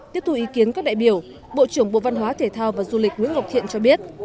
tiếp tục ý kiến các đại biểu bộ trưởng bộ văn hóa thể thao và du lịch nguyễn ngọc thiện cho biết